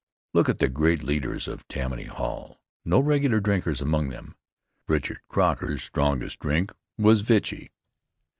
Look at the great leaders of Tammany Hall! No regular drinkers among them. Richard Croker's strongest drink was vichy.